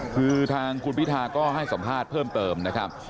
คือทางคุณพิธาก็ให้สัมภาษณ์เพิ่มเติมนะครับ